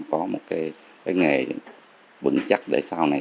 có một cái nghề vững chắc để sau này